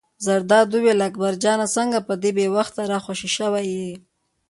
زرداد وویل: اکبر جانه څنګه په دې بې وخته را خوشې شوی یې.